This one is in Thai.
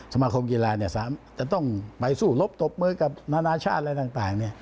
สมาคมกีฬาจะต้องไปสู้รบตบมือกับนานาชาติอะไรต่าง